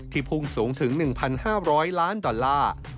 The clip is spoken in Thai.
พุ่งสูงถึง๑๕๐๐ล้านดอลลาร์